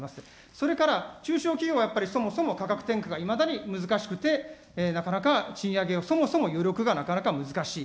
それから、中小企業はやっぱり、そもそも価格転嫁がいまだに難しくて、なかなか賃上げを、そもそも余力が、なかなか難しい。